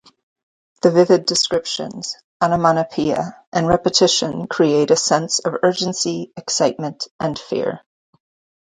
The vivid descriptions, onomatopoeia, and repetition create a sense of urgency, excitement, and fear.